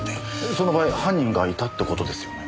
その場合犯人がいたって事ですよね。